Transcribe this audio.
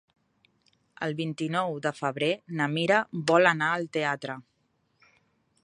El vint-i-nou de febrer na Mira vol anar al teatre.